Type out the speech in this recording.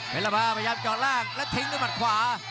เพลภาพยายามจอดล่างแล้วทิ้งด้วยมัดขวา